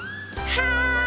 はい！